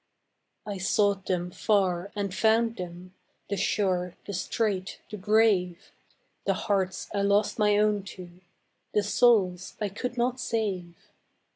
I sought them far and found them, The sure, the straight, the brave, The hearts I lost my own to, The souls I could not save.